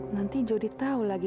nanti jodi tau lagi